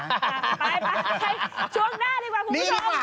ไปไปช่วงหน้าดีกว่าคุณผู้ชม